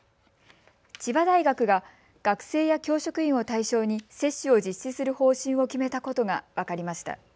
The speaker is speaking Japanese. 千葉大学が学生や教職員を対象に接種を実施する方針を決めたことが分かりました。